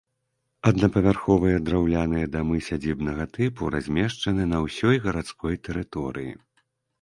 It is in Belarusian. Аднапавярховыя драўляныя дамы сядзібнага тыпу размешчаны на ўсёй гарадской тэрыторыі.